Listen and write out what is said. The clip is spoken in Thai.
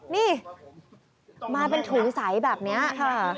นี่มาเป็นถุงใสแบบนี้ค่ะ